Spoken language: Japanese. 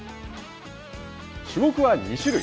種目は２種類。